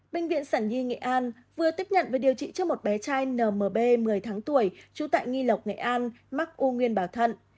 bệnh viện sản nhi nghệ an vừa tiếp nhận và điều trị cho một bé trai nmb một mươi tháng tuổi trú tại nghi lộc nghệ an mắc u nguyên bảo thận